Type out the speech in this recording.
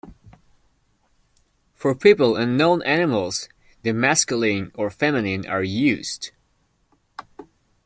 For people and known animals the masculine or feminine are used.